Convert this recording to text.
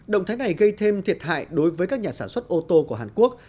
động thái này gây thêm thiệt hại đối với các nhà sản xuất ô tô của hàn quốc